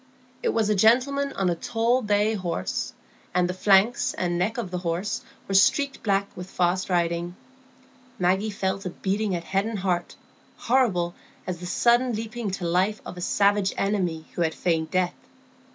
It was a gentleman on a tall bay horse; and the flanks and neck of the horse were streaked black with fast riding. Maggie felt a beating at head and heart, horrible as the sudden leaping to life of a savage enemy who had feigned death.